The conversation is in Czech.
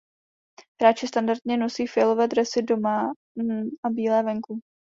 Hráči standardně nosí fialové dresy doma a bílé venku.